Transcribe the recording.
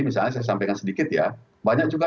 misalnya saya sampaikan sedikit ya banyak juga